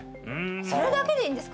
それだけでいいんですか？